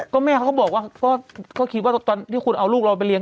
ก็แม่เขาก็บอกว่าก็คิดว่าตอนที่คุณเอาลูกเราไปเลี